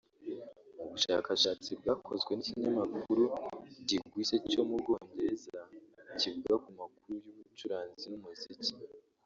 Mu bushakashatsi bwakozwe n’ikinyamakuru Gigwise cyo mu Bwongereza kivuga ku makuru y’abacuranzi n’umuziki